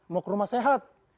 mau ke rumah sehat